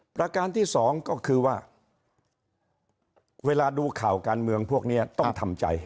ประการที่สองก็คือว่าเวลาดูข่าวการเมืองพวกนี้ต้องทำใจ